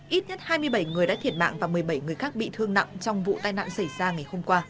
ít nhất hai mươi bảy người đã thiệt mạng và một mươi bảy người khác bị thương nặng trong vụ tai nạn xảy ra ngày hôm qua